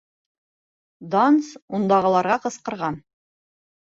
Данс ундағыларға ҡысҡырған.